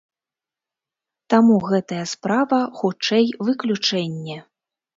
Таму гэтая справа хутчэй выключэнне.